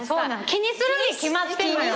気にするに決まってんのよ！